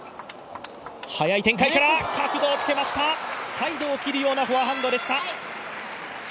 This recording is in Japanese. サイドを切るようなフォアハンドでした。